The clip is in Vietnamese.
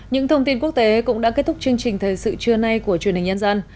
những thông tin quốc tế cũng đã kết thúc chương trình thời sự trưa nay của truyền hình nhân dân